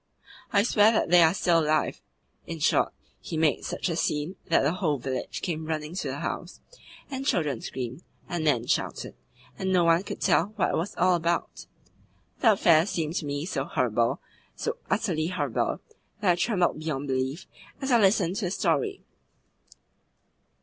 I swear that they are still alive.' In short, he made such a scene that the whole village came running to the house, and children screamed, and men shouted, and no one could tell what it was all about. The affair seemed to me so horrible, so utterly horrible, that I trembled beyond belief as I listened to the story.